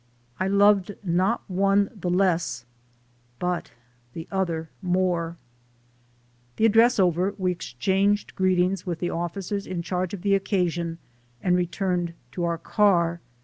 I loved not one the less, but the other more! The address over, we exchanged greetings with the officers in charge of the occasion and returned to our car.